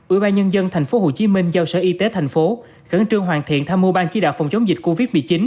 ủy ban nhân dân tp hcm giao sở y tế tp hcm khẩn trương hoàn thiện tham mưu ban chỉ đạo phòng chống dịch covid một mươi chín